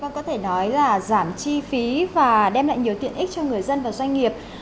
có thể nói là giảm chi phí và đem lại nhiều tiện ích cho người dân và doanh nghiệp